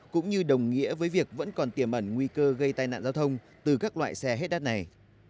cũng như đồng nghĩa với việc vẫn còn tiềm ẩn nguy cơ gây tai nạn giao thông từ các loại xe hết đất này